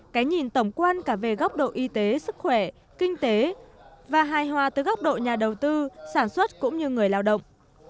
cái nhìn tổng quan cả về góc độ y tế sức khỏe kinh tế và hài hòa từ góc độ nhà đầu tư sản xuất cũng như người lao động